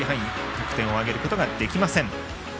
得点を挙げることができません。